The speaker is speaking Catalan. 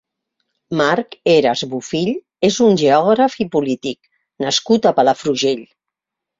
Marc Heras Bofill és un geògraf i polític nascut a Palafrugell.